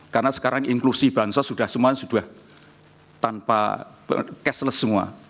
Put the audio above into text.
karena sekarang inklusi bahan sosial sudah semua sudah tanpa cashless semua